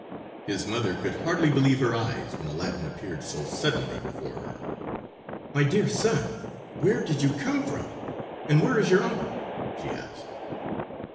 His mother could hardly believe her eyes when Aladdin appeared so suddenly before her. "My dear son, where did you come from, and where is your uncle?" she asked.